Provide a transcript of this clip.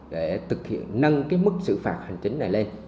để thực hiện nâng cái mức xử phạt hành chính này lên